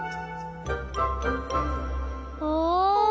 お。